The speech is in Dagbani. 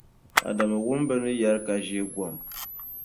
Adamu wum bɛ ni yɛra ka ʒeei gom.